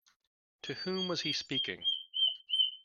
To whom was he speaking?